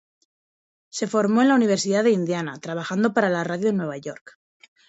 Se formó en la Universidad de Indiana, trabajando para la radio en Nueva York.